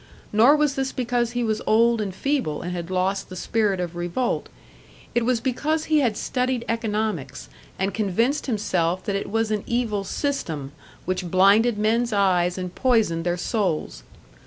Nor was this because he was old and feeble, and had lost the spirit of revolt; it was because he had studied economics, and convinced himself that it was an evil system which blinded men's eyes and poisoned their souls.